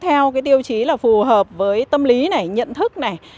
theo cái tiêu chí là phù hợp với tâm lý này nhận thức này